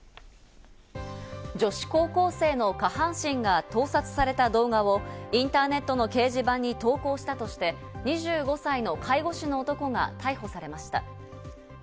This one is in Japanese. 女子高校生の下半身が盗撮された動画をインターネットの掲示板に投稿したとして２５歳の介護士の男が逮捕されました。